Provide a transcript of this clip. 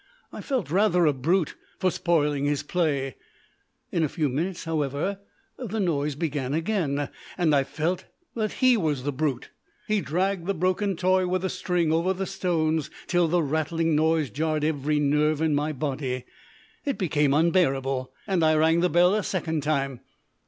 I felt rather a brute for spoiling his play. In a few minutes, however, the noise began again, and I felt that he was the brute. He dragged the broken toy with a string over the stones till the rattling noise jarred every nerve in my body. It became unbearable, and I rang the bell a second time.